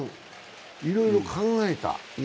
いろいろ考えた。